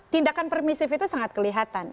tindakan permisif itu sangat kelihatan